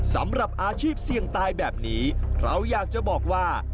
สำหรับอาชีพเสี่ยงตายแบบนี้เราอยากจะบอกว่า